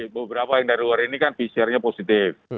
beberapa yang dari luar ini kan pcrnya positif